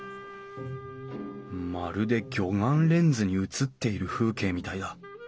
まるで魚眼レンズに映っている風景みたいだ。